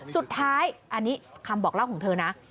สุดท้ายอันนี้คำบอกเล่าของเธอนะ